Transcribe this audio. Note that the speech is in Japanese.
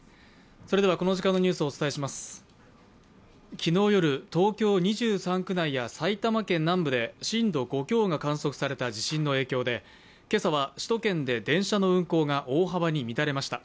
昨日夜、東京２３区内や埼玉県南部で震度５強が観測された地震の影響でけさは首都圏で電車の運行が大幅に乱れました。